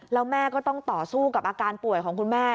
แล้วแม่ก็ต้องต่อสู้กับอาการป่วยของคุณแม่